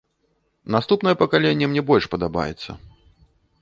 Наступнае пакаленне мне больш падабаецца.